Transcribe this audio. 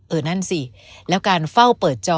นั่นสิแล้วการเฝ้าเปิดจอ